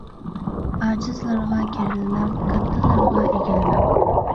ئاجىزلارغا كېرىلمەڭ، كاتتىلارغا ئېگىلمەڭ.